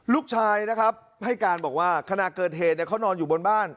ลูกชายนะครับให้การบอกว่าขณะเกิดเหตุเขานอนอยู่บนบ้าน